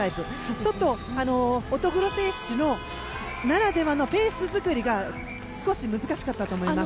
ちょっと乙黒選手ならではのペース作りが少し難しかったと思います。